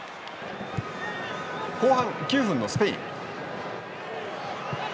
後半９分のスペイン。